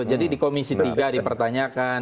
jadi di komisi tiga dipertanyakan